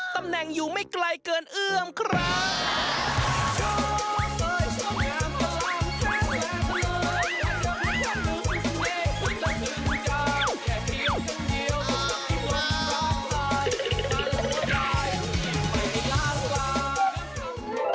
ตำแหน่งอยู่ไม่ไกลเกินเอื้อมครับ